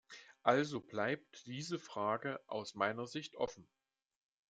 Also bleibt diese Frage aus meiner Sicht offen.